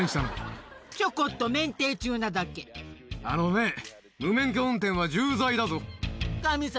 あのね。